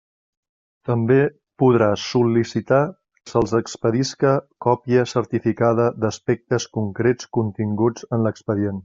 També podrà sol·licitar que se'ls expedisca còpia certificada d'aspectes concrets continguts en l'expedient.